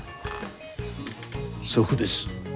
祖父です